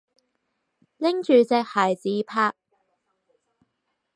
拎住隻鞋自拍